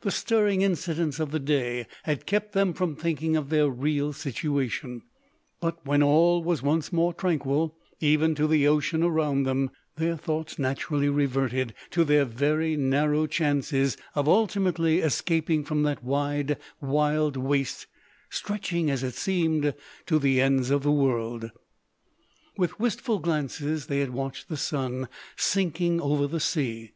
The stirring incidents of the day had kept them from thinking of their real situation; but when all was once more tranquil, even to the ocean around them, their thoughts naturally reverted to their very narrow chances of ultimately escaping from that wide, wild waste, stretching, as it seemed, to the ends of the world! With wistful glances they had watched the sun sinking over the sea.